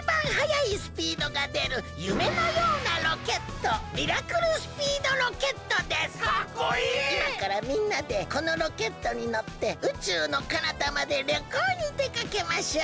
いまからみんなでこのロケットにのって宇宙のかなたまでりょこうにでかけましょう！